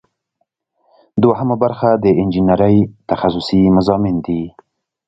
دوهم برخه د انجنیری تخصصي مضامین دي.